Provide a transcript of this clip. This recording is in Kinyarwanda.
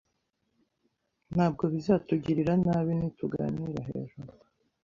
Ntabwo bizatugirira nabi nituganira hejuru.